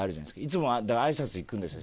いつもあいさつ行くんですよ。